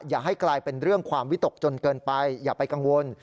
อย่าให้กลายเป็นเรื่องความวิตกจนเกินไปอย่าไปกังวล